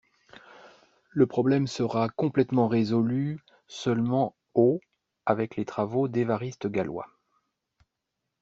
Le problème sera complètement résolu seulement au avec les travaux d'Évariste Galois.